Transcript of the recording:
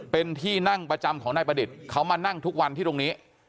เป็นที่นั่งประจำของนายประดิษฐ์เขามานั่งทุกวันที่ตรงนี้